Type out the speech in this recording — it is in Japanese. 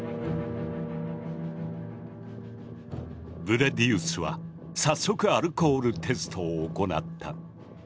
ブレディウスは早速アルコールテストを行った。